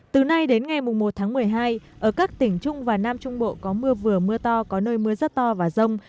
từ nay đến ngày một tháng một mươi hai ở các tỉnh trung và nam trung bộ có mưa vừa mưa to có nơi mưa rất to và rông